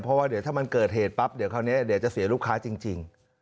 เพราะว่าเดี๋ยวถ้ามันเกิดเหตุปั๊บเดี๋ยวคราวนี้เดี๋ยวจะเสียลูกค้าจริง